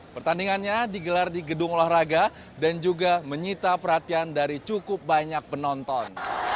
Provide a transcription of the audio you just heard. pertandingannya digelar di gedung olahraga dan juga menyita perhatian dari cukup banyak penonton